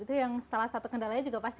itu yang salah satu kendalanya juga pasti